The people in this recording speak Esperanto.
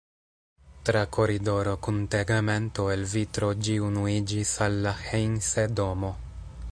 Tra koridoro kun tegmento el vitro ĝi unuiĝis al la Heinse-domo.